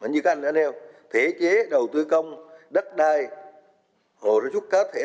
như các anh đã nêu thể chế đầu tư công đất đai hồ sơ chút cáo thể